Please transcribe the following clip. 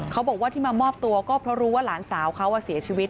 เขาบอกว่าที่มามอบตัวก็เพราะรู้ว่าหลานสาวเขาเสียชีวิต